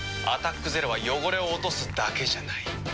「アタックＺＥＲＯ」は汚れを落とすだけじゃない。